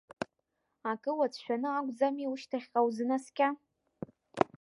Акы уацәшәаны акәӡами ушьҭахьҟа узынаскьа?